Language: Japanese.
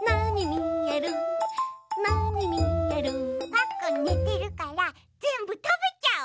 パックンねてるからぜんぶたべちゃおう！